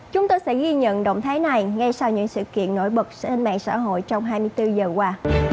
chúng tôi sẽ ghi nhận động thái này ngay sau những sự kiện nổi bật sẽ lên mạng xã hội trong hai mươi bốn giờ qua